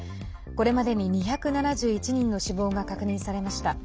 これまでに２７１人の死亡が確認されました。